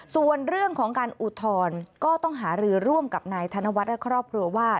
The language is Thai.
ส่วนเรื่องของการอุทธรณ์ก็ต้องหารือร่วมกับนายธนวัฒน์และครอบครัวว่า